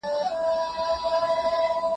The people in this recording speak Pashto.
په خاموشۍ کې ډیر څه دي.